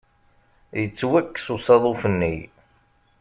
Yettwakkes usaḍuf-nni.